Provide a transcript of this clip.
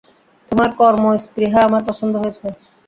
তোমার কর্মস্পৃহা আমার পছন্দ হয়েছে।